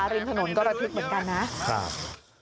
ริมถนนก็ระทึกเหมือนกันนะครับ